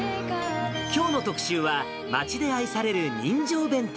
きょうの特集は、町で愛される人情弁当。